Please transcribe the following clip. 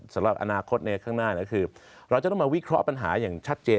สำหรับอนาคตในข้างหน้าก็คือเราจะต้องมาวิเคราะห์ปัญหาอย่างชัดเจน